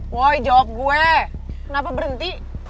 wow jawab gue kenapa berhenti